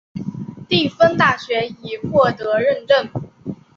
蒂芬大学已获得认证。